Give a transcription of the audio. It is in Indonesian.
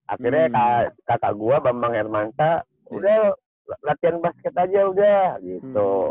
akhirnya kakak gue bambang hermansa udah latihan basket aja udah gitu